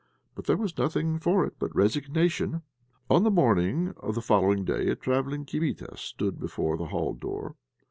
But there was nothing for it but resignation. On the morning of the following day a travelling kibitka stood before the hall door.